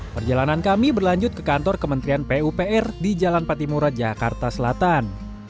perjalanan kami berlanjut ke kantor kementerian pupr di jalan patimura jakarta selatan